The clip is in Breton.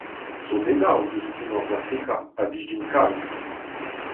Sonennoù eus tu Norzhafrika a blij din kalz !